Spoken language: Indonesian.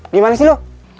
gimana sih lu